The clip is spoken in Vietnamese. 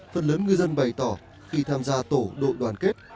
phần lớn ngư dân bày tỏ khi tham gia tổ đội đoàn kết